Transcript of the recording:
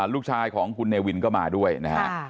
ลูกชายของคุณเนวินก็มาด้วยนะฮะ